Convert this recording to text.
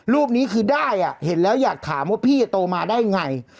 รูปนี้คือได้เห็นแล้วอยากถามว่าพี่จะโตมาได้ไง